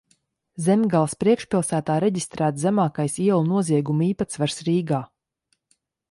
Zemgales priekšpilsētā reģistrēts zemākais ielu noziegumu īpatsvars Rīgā.